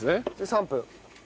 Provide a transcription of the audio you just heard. ３分。